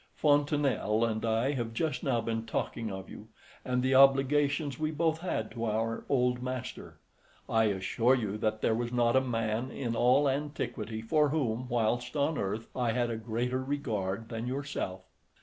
Fontenelle and I have just now been talking of you, and the obligations we both had to our old master: I assure you that there was not a man in all antiquity for whom, whilst on earth, I had a greater regard than yourself."